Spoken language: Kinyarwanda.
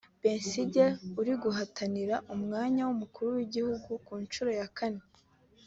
Besigye uri guhatanira umwanya w’umukuru w’igihugu ku nshuro ya kane